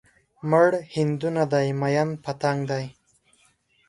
مړ هندو نه دی ميئن پتنګ دی